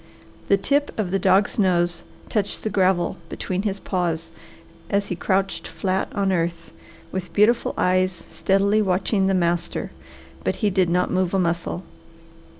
The tip of the dog's nose touched the gravel between his paws as he crouched flat on earth, with beautiful eyes steadily watching the master, but he did not move a muscle.